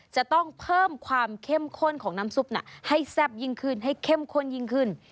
จะต้องเพิ่มความเข้มข้นของน้ำซุปให้แซ่บยิ่งขึ้นให้เข้มข้นยิ่งขึ้น